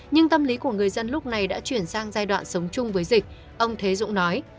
nhưng tâm lý của người dân lúc này đã chuyển sang giai đoạn sống chung với dịch ông thế dũng nói